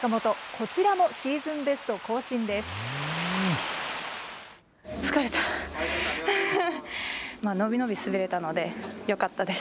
こちらもシーズンベスト更新です。